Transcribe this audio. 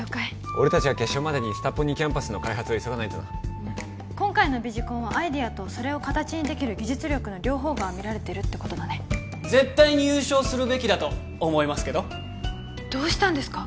俺達は決勝までにスタポニキャンパスの開発を急がないとな今回のビジコンはアイデアとそれを形にできる技術力の両方が見られてるってことだね絶対に優勝するべきだと思いますけどどうしたんですか？